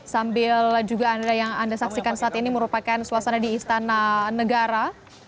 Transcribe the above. sambil juga yang anda saksikan saat ini merupakan suasana di istana negara